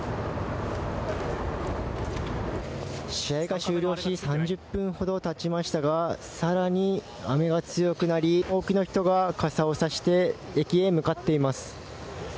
試合が終了し３０分ほどたちましたがさらに雨が強くなり多くの人が傘を差して駅へ向かっています。